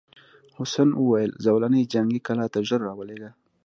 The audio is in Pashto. حسن وویل زولنې جنګي کلا ته ژر راولېږه.